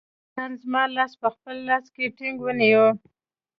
سلطان زما لاس په خپل لاس کې ټینګ ونیوی.